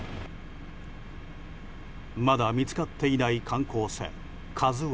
まだ見つかっていない観光船「ＫＡＺＵ１」。